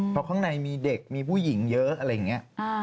เพราะข้างในมีเด็กมีผู้หญิงเยอะอะไรอย่างนี้